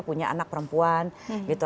punya anak perempuan gitu